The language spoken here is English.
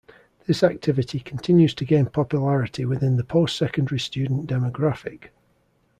This activity continues to gain popularity within the post-secondary student demographic.